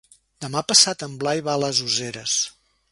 Demà passat en Blai va a les Useres.